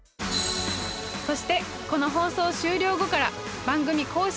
そしてこの放送終了後から番組公式